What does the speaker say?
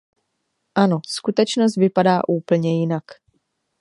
Ano, skutečnost vypadá úplně jinak.